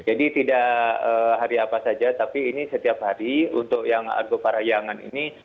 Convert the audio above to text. jadi tidak hari apa saja tapi ini setiap hari untuk yang argo parahiangan ini